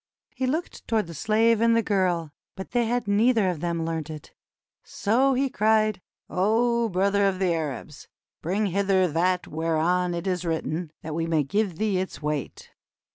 He looked toward the slave and the girl, but they had neither of them learnt it. So he cried: "O brother of the Arabs! Bring hither that whereon it is written, that we may give thee its weight."